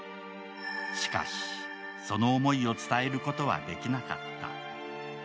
しかし、その思いを伝えることはできなかった。